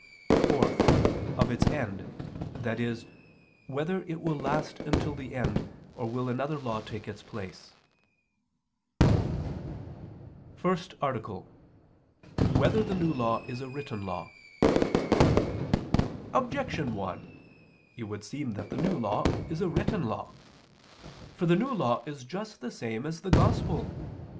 (4) Of its end: i.e. whether it will last until the end, or will another law take its place? ________________________ FIRST ARTICLE [I II, Q. 106, Art. 1] Whether the New Law Is a Written Law? Objection 1: It would seem that the New Law is a written law. For the New Law is just the same as the Gospel.